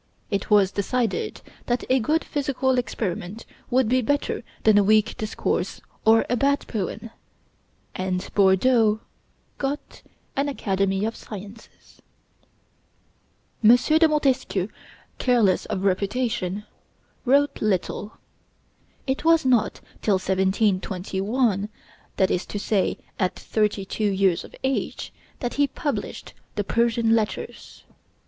It was decided that a good physical experiment would be better than a weak discourse or a bad poem; and Bordeaux got an Academy of Sciences. M. de Montesquieu, careless of reputation, wrote little. It was not till 1721, that is to say, at thirty two years of age, that he published the 'Persian Letters.'